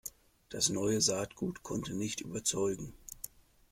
Das neue Saatgut konnte nicht überzeugen.